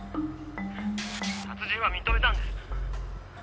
「殺人は認めたんです。